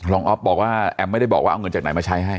อ๊อฟบอกว่าแอมไม่ได้บอกว่าเอาเงินจากไหนมาใช้ให้